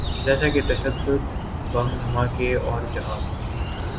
جیسا کہ تشدد، بم دھماکے اورجہاد۔